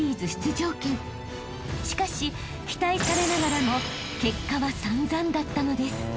［しかし期待されながらも結果は散々だったのです］